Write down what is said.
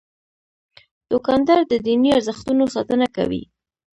دوکاندار د دیني ارزښتونو ساتنه کوي.